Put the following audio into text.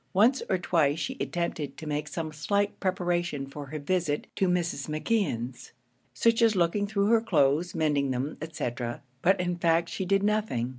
Once or twice she attempted to make some slight preparation for her visit to Mrs. McKeon's, such as looking through her clothes, mending them, &c., but in fact she did nothing.